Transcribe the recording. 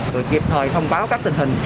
rồi kịp thời thông báo các tình hình